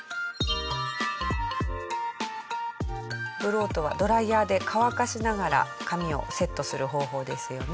ブローとはドライヤーで乾かしながら髪をセットする方法ですよね。